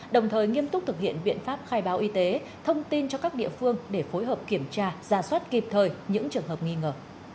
đồng thời nghiêm túc thực hiện biện pháp khai báo y tế thông tin cho các địa phương để phối hợp kiểm tra giả soát kịp thời những trường hợp nghi ngờ